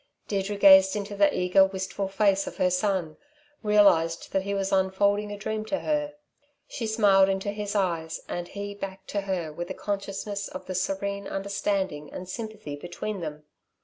'" Deirdre gazing into the eager, wistful face of her son realised that he was unfolding a dream to her. She smiled into his eyes and he back to her with a consciousness of the serene understanding and sympathy between them.